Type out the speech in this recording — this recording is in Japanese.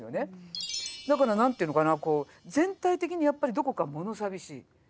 だから何て言うのかなこう全体的にやっぱりどこか物寂しい。